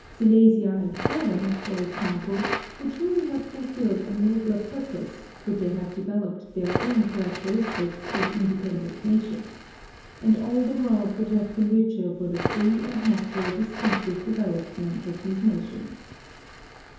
Silesia and Poland, for example, would surely have fulfilled a nobler purpose could they have developed their own characteristics as independent nations, and all the world would have been richer for the free and natural distinctive develop ment of these nations.